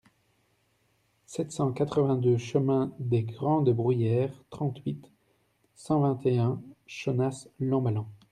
sept cent quatre-vingt-deux chemin des Grandes Bruyères, trente-huit, cent vingt et un, Chonas-l'Amballan